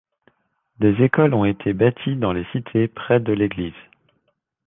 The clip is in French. Des écoles ont été bâties dans les cités, près de l'église.